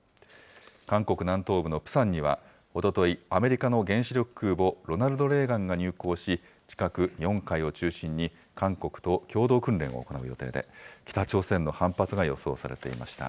韓国南東部のプサンには、おととい、アメリカの原子力空母ロナルド・レーガンが入港し、近く日本海を中心に韓国と共同訓練を行う予定で、北朝鮮の反発が予想されていました。